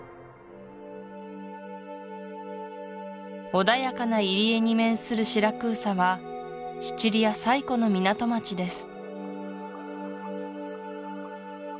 穏やかな入り江に面するシラクーサはシチリア最古の港町です